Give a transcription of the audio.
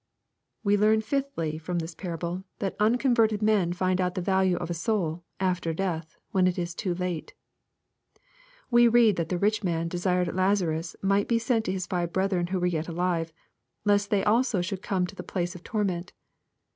We learn, fifthly, from this parable, that unconverted men find out the value of a soul, after death, when it is too late. We read that the rich man desired Lazarus might be sent to his five brethren who were yet alive, " lest they also should come to the place of torment."